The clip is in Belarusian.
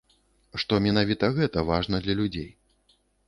Што менавіта гэта важна для людзей.